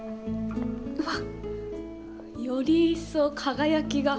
うわっ、より一層輝きが。